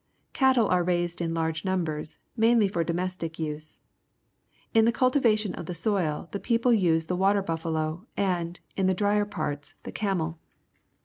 Cattle are raised in large numbers, mainly for~3omestic use. In the cultivation of the soil the people use the buffalo and, in the drier parts, the camel.